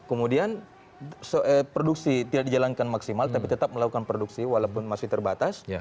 kemudian produksi tidak dijalankan maksimal tapi tetap melakukan produksi walaupun masih terbatas